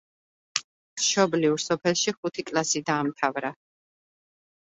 მშობლიურ სოფელში ხუთი კლასი დაამთავრა.